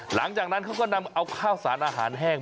หลังจากนั้นเขาก็นำเอาข้าวสารอาหารแห้ง